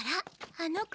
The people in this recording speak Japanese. あの子。